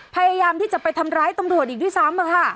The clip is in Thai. พยายามที่จะไปทำร้ายตำรวจอีกด้วยซ้ำ